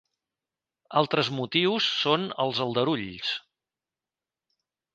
Altres motius són els aldarulls.